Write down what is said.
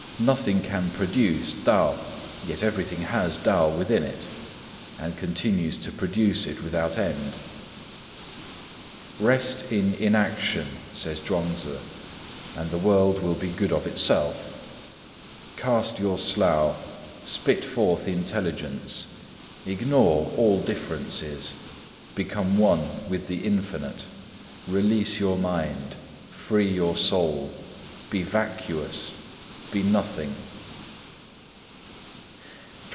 Nothing can produce Tao; yet everything has Tao within it, and continues to produce it without end. "Rest in Inaction," says Chuang Tzŭ, "and the world will be good of itself. Cast your slough. Spit forth intelligence. Ignore all differences. Become one with the Infinite. Release your mind. Free your soul. Be vacuous. Be nothing!"